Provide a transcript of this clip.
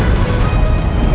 dan menangkan mereka